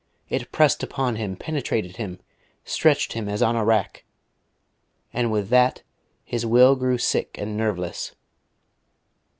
it pressed upon him, penetrated him, stretched him as on a rack.... And with that his will grew sick and nerveless.